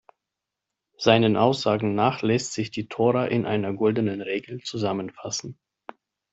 Seinen Aussagen nach lässt sich die Tora in einer „Goldenen Regel“ zusammenfassen.